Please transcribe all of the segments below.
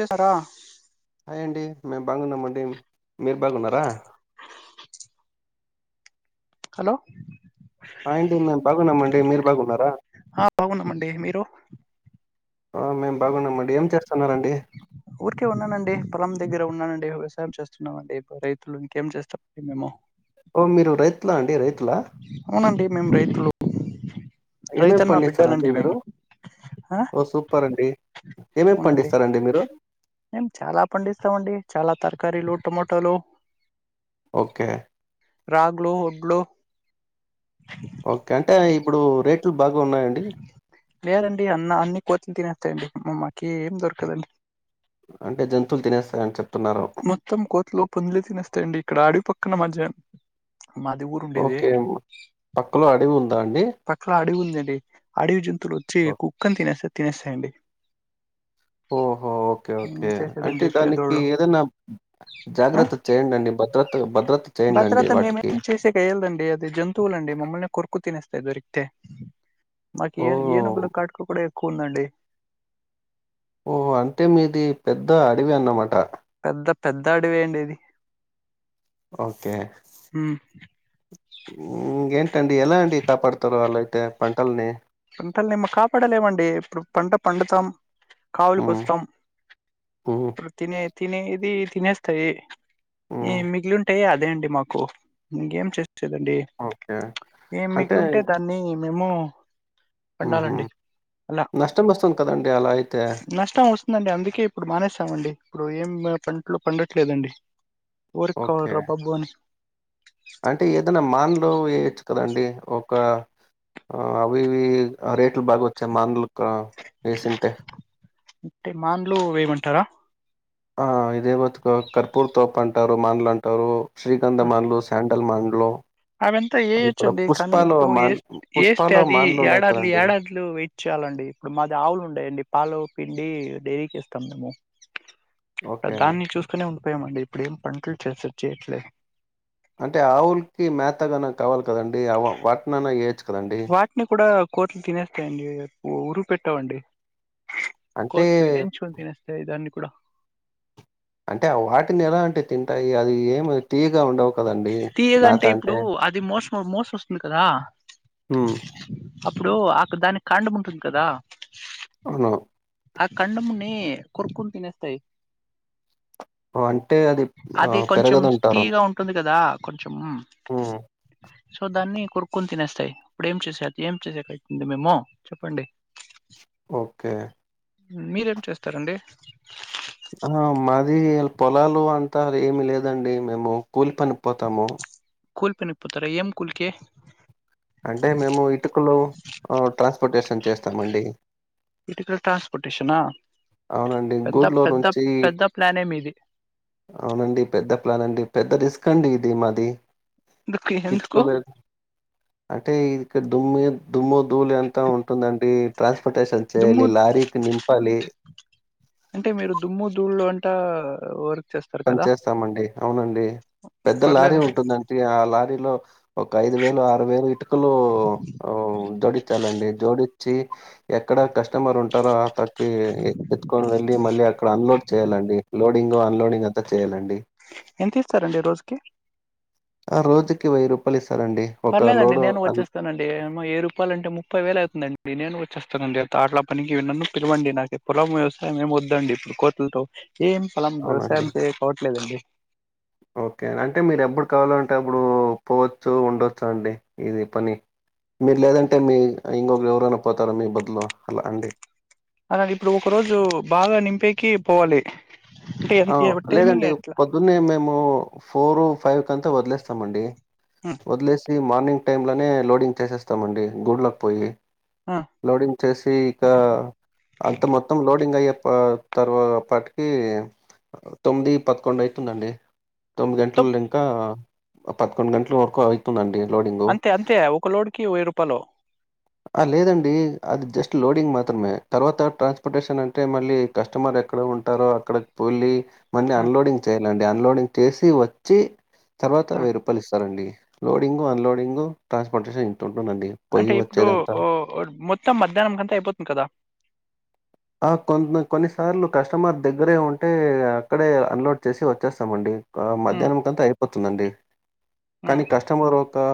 చేసారా హాయ్ అండి మేము బాగున్నామండి మీరు బాగు న్నారా హలో హాయ్ అండి మేము బాగున్నామండి మీరు బాగున్నారా ఆ బాగున్నామండి మీరు అ మేం బాగున్నాంమండి ఏం చేస్తున్నరండి ఊరికే ఉన్నానండి పొలం దగ్గర ఉన్నానండి వ్యవసాయం చేస్తున్నామండి రైతులు ఇంకేం చేస్తాం మేము ఓ మీరు రైతులా అండి రైతులా అవునండి మేము రైతులు ఏమేమీ రైతన్న పండిస్తారండి బిడ్డలండి మీరు మేము ఆ ఓ సూపర్ అండి ఏమేమి పండిస్తారండి మీరు మేం చాలా పండిస్తాండి చాలా తరకారీలు టమోటోలు ఓకే రాగ్లో, ఒడ్లో ఓకే అంటే ఇప్పుడు రేట్లు బాగా ఉన్నాయండి లేదండి అన్న అన్ని కోతులు తినేస్తాయండి మామకి ఏం దొరకదండి అంటే జంతువులు తినేస్తాయ్ అని చెప్తున్నారు మొత్తం కోతులు పందులే తినస్తాయండి ఇక్కడ అడివి పక్కన మా చెను ఓకే పక్కలో అడవి ఉందా అండి పక్కలో అడివి ఉందండి అడవి జంతువులు వచ్చి కుక్కని తినేస్తే తినేస్తాయండి ఓహో ఓకే ఏం ఓకే అంటే చేసేదండి దానికి పేదోళ్ళు ఏదాన్ ఆ జాగ్రత్త చేయండి అండి భద్రత్ భద్రత్ చేయండి వాటికి లేదండి అది జంతువులు అండి మమ్మల్నే కొర్కు తినస్తాయి దొరికితే మాకి ఏ ఓ ఏనుగులు కటుక కూడా ఎక్కువ ఉందండి ఓ అంటే మీది పెద్ద అడవి అన్నమాట పెద్ద పెద్ద అడివి అండి ఇది ఓకే ఉమ్ ఇంగా ఏంటండి ఎలా అండి కాపాడుతారు అలాయితే పంటలని పంటలనీ ఏం కాపాడలేవండి ఇప్పుడు పంట పండుతాం కావులక హ్మ్. వస్తాం హ్మ్. ఇప్పుడు తినే తినేది తినేస్తాయి హ్మ్. ఏం మిగిలింటే అదే అండి మాకు ఇంకేం చేసేదండి ఓకే. ఏం అంటే మిగిలింటే దాన్ని మేము హుహు. పండాలండి అలా నష్టమొస్తుంది కదండీ అలా అయితే. నష్టం వస్తు అండి అందుకే ఇప్పుడు మానేసామండి ఇప్పుడు ఏం పంటలు పండట్లేదండి ఓరికీ ఓకే. కావాల్ర బాబ్బు అని అంటే ఏదైనా మాన్లు వేయొచ్చు కదండి ఒక ఆ అవి ఇవి రేట్లు బాగా వచ్చెవి మానులతో వేసింటే అంటే మాన్లు వేయమంటారా ఆ ఇదే బతుకు కర్పూర్ తోప్ అంటారు మాన్లు అంటారు శ్రీకంధమాన్లు శాంటల్ మాన్లు అదంతా ఇప్పుడు ఏయచ్చండి కానీ పుష్పాలో ఇప్పుడు మాన్ ఏస్ యేస్తే పుష్పాలో అది మాన్లున్నాయి యాడర్లీ కదండీ! యాడ లు వెయిట్ చేయాలండి ఇప్పుడు మాది ఆవులు ఉండయండి పాలు పిండి డైరీకి ఇస్తాం మేము ఓకే. దాన్ని చూసుకునే ఉండిపోయామండి ఇప్పుడు ఏం పంటలు చెస్ చెయ్యాట్లే అంటే ఆవులకి మేతగానా కావాలి కదండీ వాటినన్న ఏయోచ్చు కదండి వాటిని కూడా కోతులు తినేస్తాయండి ఉరువు పెట్టవండి అంటే కోతులు ఎంచుకొని తినేస్తాయి దాన్ని కూడా అంటే వాటిని ఎలా అంటే తింటాయి అది ఏమీ తీయ్యగా ఉండవు కదండి మేత తీయగంటే అంటే ఇప్పుడు అది మోస్ మోస్ వస్తుంది కదా మ్మ్ అప్పుడు ఆకు దానికి కాండం ఉంటుంది కదా అవును ఆ కండమునీ కొర్కుకొని తినేస్తాయి అంటే అది ఆ అది కొంచెం పెరగదంటారు తీయగా ఉంటుంది కదా కొంచెం హ్మ్. సో దాన్ని కొరుక్కొని తినేస్తాయి ఇప్పుడు ఏం చేసేది ఏం చేసికీ అయితుంది మేము చెప్పండి ఓకే మీరేం చేస్తారండి ఆ మాది పొలాలు అంత ఏమి లేదండి మేము కూలి పనికిపోతాము కూలీ పనికి పోతార ఏం కూలికి అంటే మేము ఇటుకలు ఆ ట్రాన్స్పోర్టేషన్ చేస్తామండి ఇటుకలు ట్రాన్స్పోర్టేషన్ ఆ అవునండి గూట్లో నుంచి పెద్ద ప్లానే మీది. అవునండి పెద్ద ప్లాన్ అండి పెద్ద రిస్క్ అండి ఇది మాది ఎందుకు ఎందుకు [unintelligible] అంటే ఇ దుమ్మి దుమ్ము ధూళి అంత ఉంటుందండి ట్రాన్స్పోర్టేషన్ దుమ్ము చేయాలి లారీకి నింపాలి అంటే మీరు దుమ్ము దూళ్ళ [unintelligible] వర్ పని చేేస్తామండి అవునండి పెద్ద లారీ పర్లేదు ఉంటుందండి ఆ లారీలో ఒక ఐదు వేలు ఆరు వేలు ఇటుకలు జోడిచాలండి జోడిచి ఎక్కడ కస్టమర్ ఉంటారో ఆ ఈ ఏ ఎత్తుకొని వెళ్ళి మళ్ళీ అక్కడ అన్లోడ్ చేయ్యాలండి లోడింగ్ అన్లోడింగ్ అంత చెయ్యాలండి ఎంత ఇస్తారండి రోజుకి ఆ రోజుకి వెయ్యి రూపాయలు ఇస్తారండి ఒక పర్లేదండి లోడు అ [unintelligible] ఏమో ఏ రూపాలాంటె ముప్పై వేలు అవుతుందండి నేను వచ్చేస్తానండి తాళ్ళ పనికి నన్నూ పిలవండి నాకు పొలం వ్యవసాయం ఏమి వద్దండి ఇప్పుడు కోతులతో ఏం పొలం అవునండి వ్యవసాయం చేయకోవట్లేదండి ఓకే అంటే మీరు ఎప్పుడు కావలో అంటే అప్పుడు పోవచ్చు ఉండొచ్చు అండి ఇది పని మీరు లేదంటే మీ ఇంకొకరు ఎవరైనా పోతారా మీ బదులో అలా అండి అలా ఇప్పుడు ఒక రోజు బాగ నింపేకి పోవాలి అంటే అ ఎన్- ఏ టైమింగ్ లేదండి [unintelligible] ఎట్లా ఇన్ని మేము ఫోర్ ఫైవ్ కంత వదిలేస్తాం మండి ఉమ్, వదిలేసి మార్నింగ్ టైమ్ లోనే లోడింగ్ చేసేస్తామండి [unintelligible] పోయి ఆ లోడింగ్ చేసి ఇక అంత మొత్తం లోడింగ్ అయ్యే పా తర్వాపాటికి తొమ్మిది పదకొండు అయితుందండి తొమ్మిది మొత్తం గంటల్లనింక [unintelligible] పదకొండు గంటల వరకు అయితుందండి లోడింగ్ అంతే అంతే ఒక లోడ్కి వెయ్యి రూపాయలు ఆ లేదండి అది జస్ట్ లోడింగ్ మాత్రమే తర్వాత ట్రాన్స్పోర్టేషన్ అంటే మళ్ళీ కస్టమర్ ఎక్కడ ఉంటారో అక్కడకి వెళ్ళి [unintelligible] ఆ అన్లోడింగ్ చేయ్యాలండి అన్లోడింగ్ చేసి వచ్చి తర్వాత ఆ వెయ్యి రూపాయలు ఇస్తారండి లోడింగు అన్లోడింగు ట్రాన్స్పోర్టేషన్ ఇంత ఉంటుందండి పోయి అంటే ఇప్పుడు ఓ మొత్తం మధ్యాహ్నం కంత అయిపోతుంది కదా అ కొని కొన్నిసార్లు కస్టమర్ దగ్గరే ఉంటే అక్కడే అన్లోడ్ చేసి వచ్చేస్తామండి ఆ ఉమ్ మధ్యనంకంత అయిపోతుందండి ఉమ్ కనీ కస్టమరు అ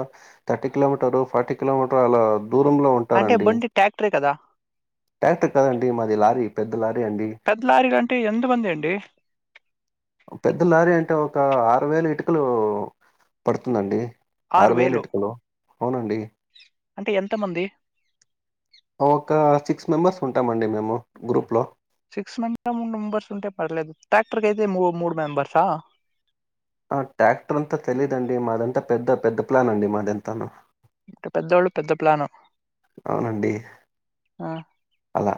థర్టీ కిలోమీటర్ ఫార్టీ కిలోమీటర్ అలా దూరంలో అంటే ఉంటారండి. బండి ట్రాక్టరే కదా ట్రాక్టర్ కాదండి మాది లారీ పెద్ద లారీ అండి పెద్దలారి అంటే ఎంతమంది అండి పెద్ద లారీ అంటే ఒక ఆరు వేల ఇటుకలు పడుతుందండి ఆరు వేలు ఇట్కలు అవునండి అంటే ఎంత మంది ఒక సిక్స్ మెంబర్స్ ఉంటామండి మేము గ్రూప్లో సిక్స్ మంత్ మూడు మెంబర్స్ ఉంటే పర్లేదు ట్రాక్టర్ కయితే ము మూడు మెంబర్స ట్రాక్టర్ అంతా తెలీదండి మాదంత పెద్ద పెద్ద ప్లాన్ అండి మాదంతాను అంటే పెద్దవాళ్ళు పెద్ద ప్లాను ఆ అల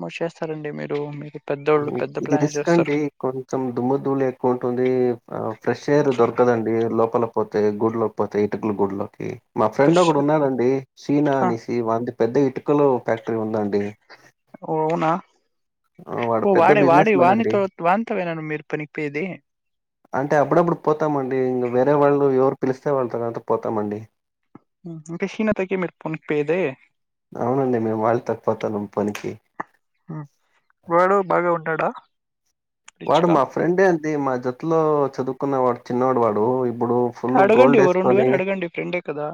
మో చేస్తారండి మీరు మీరు పెద్దోళ్ళు హ్మ్. పెద్ద ఇది ప్లానే రిస్క్ చేస్తరు అండి. కొంచెం దుమ్ము దూళి ఎక్కువ ఉంటుంది ఫ్రెష్ ఎయిర్ దొరకదండి లోపల పోతే గుడ్ లో ఇకపోతే ఇటుకుల గుళ్లోకి మా ఫ్రెండ్ ప్రిష్- ఒకడు ఉన్నాడండి షీనా ఆ, అనేసి వా వానిది పెద్ద ఇటుకలు ఫ్యాక్టరీ ఉందండి ఓ అవునా ఆ! వాడు ఓ పెద్ద వాడే వాడే బిజినెస్ మ్యాన్ అండి. వానితో వానితో నేనా మీరు పనికి పోయేది అంటే అప్పుడప్పుడు పోతామండి వేరే వాళ్ళు ఎవరు పిలిస్తే వాళ్ళతో పోతామండి అంటే షీనాతకి మీరు ఫోన్ పేదే అవునండి మేము వాళ్ళతోపోతం పనికి ఆ వాడు బాగా ఉంటాడా వాడు మా ఫ్రెండే అండి మా జట్టులో చదువుకున్న వాడు చినోడు వాడు ఇప్పుడు ఫుల్ అడగండి గోల్డ్ ఓ రెండు ఏసుకొని వేలు అడగండి ఫ్రెండే కదా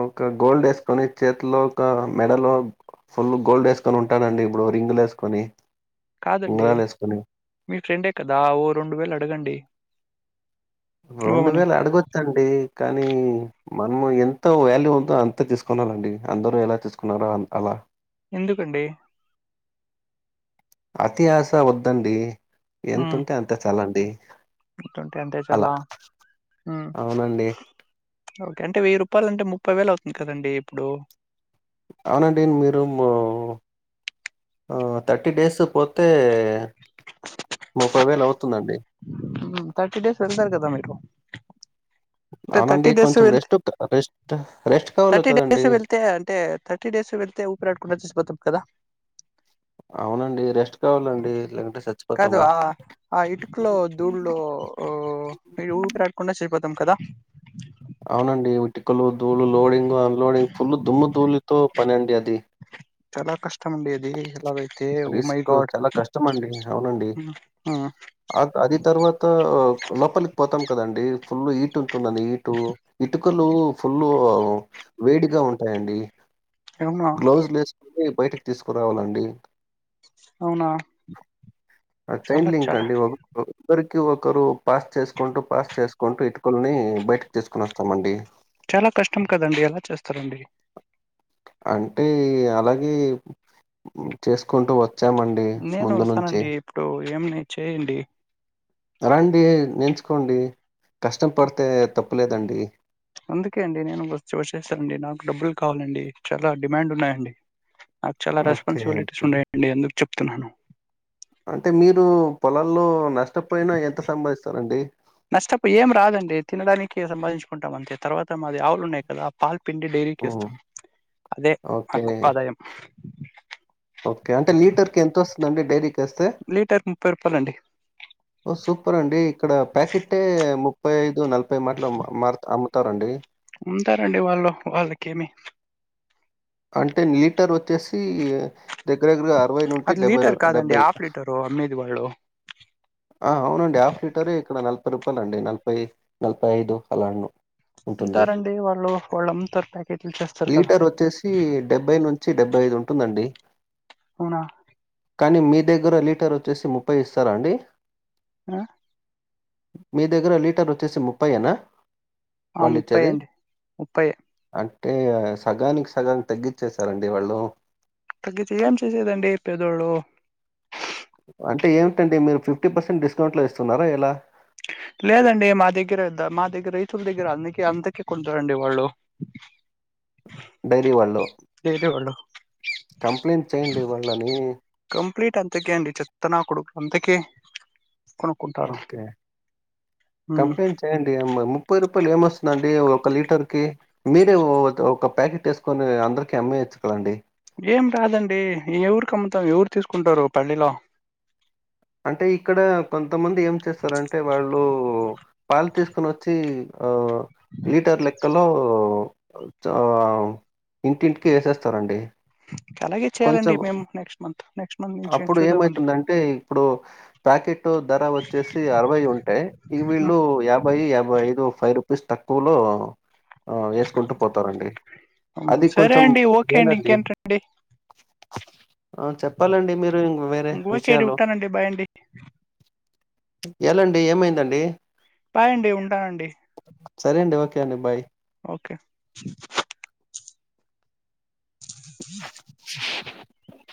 ఒక గోల్డ్ వేసుకొని చేతిలో ఒక మెడలో ఫుల్ గోల్డ్ వేసుకొని ఉంటాడండి ఇప్పుడు రింగ్ లు వేసుకొని కాదండి మీ ఫ్రెండే కదా ఓ రెండు వేలు అడగండి రెండు ఇవ్వమని వేలు అడగొచ్చండి కానీ మనము ఎంత వాల్యూ ఉందో అంత తీసుకునానండి అందరు ఎలా తీసుకున్నారో అలా ఎందుకండి అతి ఆశ వద్దండి ఎంతుంటే అంత చాలండి ఎంత ఉంటే అంతే అలా చాలా ఉమ్ అవునండి ఓకే అంటే వెయ్యి రూపాయలు అంటే ముప్పై వేలు అవుతుంది కదండి ఇప్పుడు అవునండి మీరు ఆ థర్టీ డేస్ పోతే ముపై వేలు అవుతుందండి ఉమ్ థర్టీ డేస్ వెళ్తారు కదా మీరు అంటే అవునండి థర్టీ డేస్ కొంచెం వెళ్తే రెస్ట్ క రెస్ట్ రెస్ట్ కావాలి థర్టీ కదండీ. డేస్ వెళ్తే అంటే థర్టీ థర్టీ డేస్ వెళ్తే ఊపిరాడకుండా చచ్చిపోతాం కదా అవునండి రెస్ట్ కావాలండి లేదంటే చచ్చిపోతాము లేదుళ్ళ ఊపిరాడకుండా చనిపోతాం కదా అవునండి ఇటుకలు ధూళి లోడింగ్ అన్లోడింగ్ ఫుల్ దుమ్ముధూలుతో పనండి అది చాలా కష్టం అండి అది అలాగైతే ఓ మై గాడ్ ఇస్తమండి అవునండి ఉమ్, ఉమ్, అది తర్వాత లోపలికి పోతాం కదండి ఫుల్ ఈగ్ ఇటు ఉంటుంది ఇటు ఇటుకలు ఫుల్ వేడిగా ఉంటాయండి అవునా గ్లౌస్ లు వేసుకుని బయటకి తీసుకురావాలండి అవునా అది చాలా చైన్ లింక్ చాలా అండి అగు ఒకరికి ఒకరు పాస్ చేసుకుంటూ పాస్ చేసుకుంటూ ఇటుకల్ని బయటకి తీసుకుని వస్తామండి చాలా కష్టం కదండి ఎలా చేస్తారండి అంటే అలాగే చేసుకుంటూ వచ్చామండి నేను ముందు నుంచి వస్తానండి ఇప్పుడు ఏమని చేయండి రండి నేర్చుకోండి కష్టం పడితే తప్పులేదండి అందుకే అండి నేను వ వచ్చేస్తానండి నాకు డబ్బులు కావాలండి చాలా డిమాండ్ ఉన్నాయండి నాకు చాలా ఓకే రెస్పాన్సిబిలిటీస్ ఓకే ఉన్నాయండి అందుకు చెప్తున్నాను అంటే మీరు పొలాల్లో నష్టపోయినా ఎంత సంపాదిస్తారండి నష్టపొయే ఏం రాదండి తినడానికి సంపాదించుకుంటాం అంతే తర్వాత మాది ఆవులు ఉన్నాయి కదా పాల్ పిండి డైరీకి హ్మ్. ఇస్తాం అదే ఓకే. మాకు ఆదాయం ఓకే అంటే లీటర్ కి ఎంత వస్తుంది అండి డైరీకి ఇస్తే లీటర్ ముప్పై రూపాయలు అండి ఓ సూపర్ అండి ఇక్కడ ప్యాకెటే ముప్పై ఐదు నలభై మాటలు అమ్ముతారండి. ఉంటారండి వాళ్ళు వాళ్ళకేమి. అంటే లీటర్ వచ్చేసి. దగ్గర దగ్గర అరవై నుండి అది డెబ్బై రూ లీటర్ కాదండి డెబ్బై. హాఫ్ లీటరు అమ్మేది వాళ్ళు ఆ అవునండి హాఫ్ లీటరే ఇక్కడ నలభై రూపాయలండి నలభై నలభై ఐదు అలా. ఉంటుంది. ఉంటారండి వాళ్ళు వాళ్ళు అమ్ముతారు ప్యాకెట్లు చేస్తారు కదా. ఇ డెబ్బై నుంచి డెబ్బై ఐదు ఉంటుందండి. అవునా. కానీ మీ దగ్గర లీటర్ వచ్చేసి ముప్పై ఇస్తారా అండి. ఆ మీ దగ్గర లీటర్ వచ్చేసి ముప్పైయేనా ఆ వాళ్ళు ముప్పై ఇచ్చేది అండి ముప్పై అంటే సగానికి. సగం తగ్గించ్చేసారండి వాళ్ళు. పద్దతిగా ఏం చేసేదండి పేదోళ్లు. అంటే ఏమిటండి మీరు ఫిఫ్టీ పర్సెంట్ డిస్కౌంట్లో ఇస్తున్నారా ఎలా లేదండి మా దగ్గర మా దగ్గర రైతుల దగ్గర అందుకే అంతకే కొంటారండి వాళ్ళు. డైరీ వాళ్ళు డైలీ వాళ్ళు కంప్లైంట్ చేయండి వాళ్ళని. కంప్లీట్ అంతకే అండి చెత్తనా కొడుకు అంతకే కొనుక్కుంటారు. ఓకే. ఉమ్. కంప్లైంట్ చేయండి ముప్పై రూపాయలకి ఏమొస్తుందండి ఒక లీటర్కి. మీరు ఒక ప్యాకెట్ ఏసుకొని అందరికి అమ్మేయచ్చు కదండి. ఏం రాదండి ఎవరికమ్ముతాం ఎవరు తీసుకుంటారు పల్లెలో అంటే ఇక్కడ కొంతమంది ఏం చేస్తారంటే వాళ్ళు. పాలు తీసుకొని వచ్చి ఆ లీటర్ లెక్కలో. ఆ ఇంటింటికి వేసేస్తారండి. అలాగే చేయాలండి మేము నెక్స్ట్ మంత్ నెక్స్ట్ మంత్ నుంచి చూద్దామండి. అయితే ఇప్పుడు. ప్యాకెట్ ధర వచ్చేసి అరవై ఉంటే ఇక ఆ వీళ్ళు యాభై యాభై ఐదు ఫైవ్ రూ. పీస్ తక్కువలో. వేసుకుంటూ పోతారండి అది సరే కొంచెం అండి ఓకే అండి మేలండి. ఇంకేంటండి ఆ చెప్పాలండి మీరు వేరే ఓకే అండి విషయాలు. ఉంటానండి బాయ్ అండి ఎలాండి ఏమైందండి. బాయండి ఉంటానండి. సరే అండి ఓకే అండి బాయ్. ఓకే. [inaudible] [inaudible]